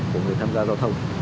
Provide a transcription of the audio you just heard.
của người tham gia giao thông